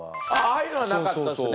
ああいうのはなかったですね。